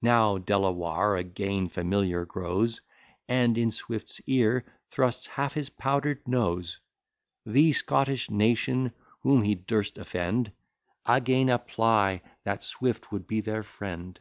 Now Delawar again familiar grows; And in Swift's ear thrusts half his powder'd nose. The Scottish nation, whom he durst offend, Again apply that Swift would be their friend.